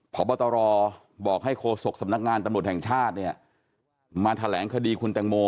พบตรบอกให้โฆษกสำนักงานตำรวจแห่งชาติเนี่ยมาแถลงคดีคุณแตงโม